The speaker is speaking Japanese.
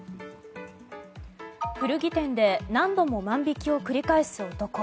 古着店で何度も万引きを繰り返す男。